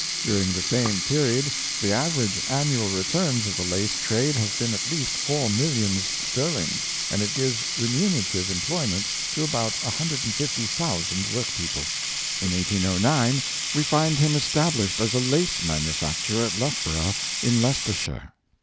During the same period the average annual returns of the lace trade have been at least four millions sterling, and it gives remunerat ive employment to about 150,000 workpeople. In 1809 we find him established as a lace manufac turer at Loughborough, in Leicestershire.